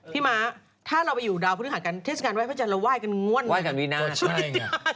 พี่ม้าถ้าเราไปอยู่ดาวคุณหัดกันเทศกาลไว้พระเจนเราไหว้กันง่วนไงไหว้กันวินาทก็ใช่ไง